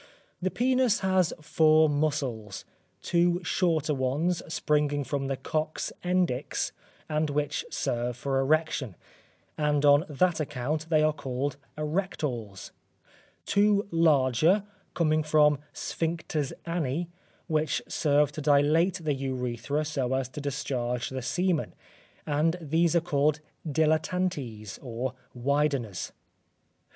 The penis has four muscles; two shorter ones springing from the Cox endix and which serve for erection, and on that account they are called erectores; two larger, coming from sphincters ani, which serve to dilate the urethra so as to discharge the semen, and these are called dilatantes, or wideners.